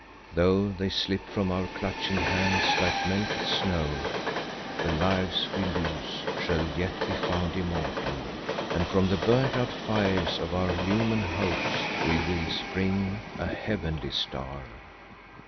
Though they slip from our clutching hands like melted snow, the lives we lose shall yet be found immortal, and from the burnt out fires of our human hopes will spring a heavenly star."